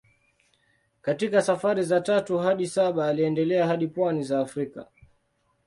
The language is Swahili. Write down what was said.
Katika safari za tatu hadi saba aliendelea hadi pwani za Afrika.